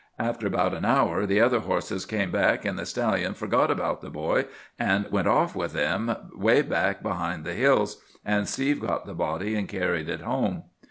After 'bout an hour the other horses came back, an' the stallion forgot about the boy an' went off with them 'way back behind the hills; an' Steve got the body an' carried it home.